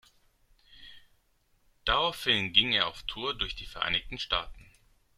Daraufhin ging er auf Tour durch die Vereinigten Staaten.